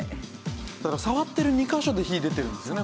だから触ってる２カ所で火が出てるんですよね